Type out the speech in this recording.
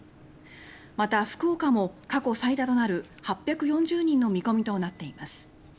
また、福岡も過去最多となる８４０人の見込みとなっています。